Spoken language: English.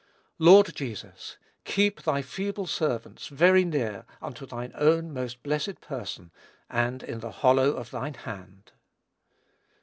Lord Jesus, keep thy feeble servants very near unto thine own most blessed person, and in the hollow of thine hand!